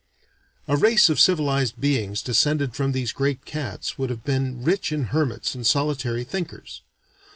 A race of civilized beings descended from these great cats would have been rich in hermits and solitary thinkers.